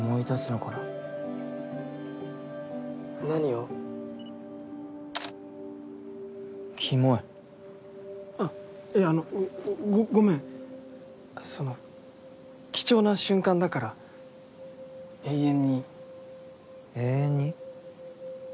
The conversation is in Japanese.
カシャキモいあっいやあのごその貴重な瞬間だから永遠に「永遠に」？